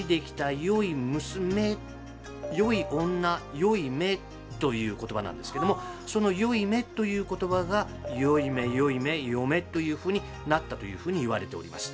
もともとという言葉なんですけどもその「よいめ」という言葉がよいめよいめよめというふうになったというふうに言われております。